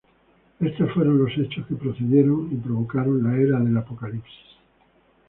Estos fueron los hechos que precedieron y provocaron la Era de Apocalipsis.